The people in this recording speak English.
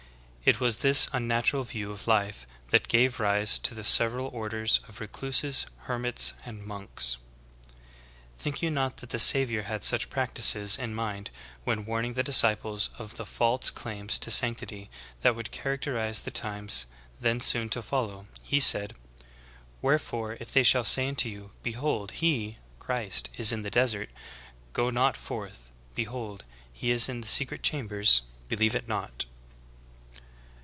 It was this unnatural view of life that gave rise to the sev eral orders of recluses, hermits, and monks. 23. Think you not that the Savior had such practices in 106 THE GREAT APOSTASY. mind, when, warning the disciples of the false claims to sanctity that would characterize the times then soon to follow, He said : "Wherefore if they shall say unto you, Behold he [Christ] is in the desert, go not forth: behold, he is in the secret chambers, believe it not."